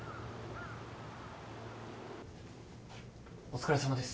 お疲れさまです。